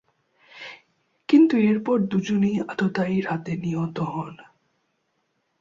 কিন্তু এরপর দুজনেই আততায়ীর হাতে নিহত হন।